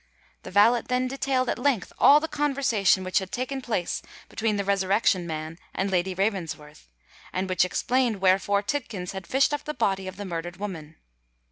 The valet then detailed at length all the conversation which had taken place between the Resurrection Man and Lady Ravensworth, and which explained wherefore Tidkins had fished up the body of the murdered woman.